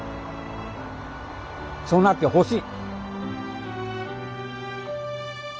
そうなってほしい。